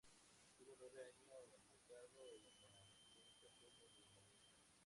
Estuvo nueve años becado en la Residencia Blume de Madrid.